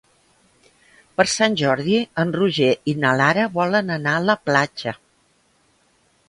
Per Sant Jordi en Roger i na Lara volen anar a la platja.